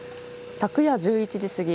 昨夜１１時過ぎ